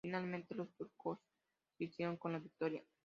Finalmente, los turcos se hicieron con la victoria.